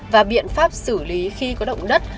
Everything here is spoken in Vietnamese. và biện pháp xử lý khi có động đất